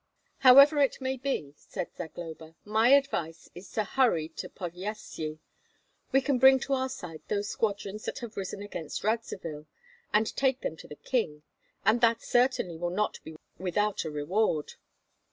"However it may be," said Zagloba, "my advice is to hurry to Podlyasye. We can bring to our side those squadrons that have risen against Radzivill, and take them to the king, and that certainly will not be without a reward."